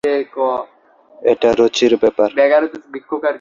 এটা রুচির ব্যাপার।